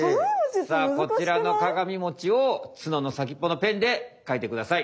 さあこちらのかがみもちを角の先っぽのペンで描いてください。